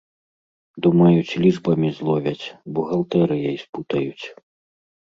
Думаюць, лічбамі зловяць, бухгалтэрыяй спутаюць.